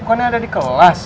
bukannya ada di kelas